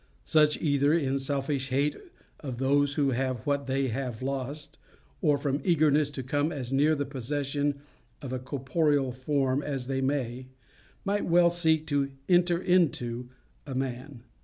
Such, either in selfish hate of those who have what they have lost, or from eagerness to come as near the possession of a corporeal form as they may, might well seek to enter into a man.